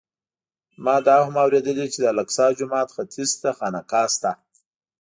ما دا هم اورېدلي چې د الاقصی جومات ختیځ ته خانقاه شته.